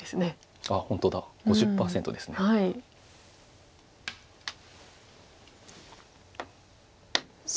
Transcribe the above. あっ本当だ５０％ですね。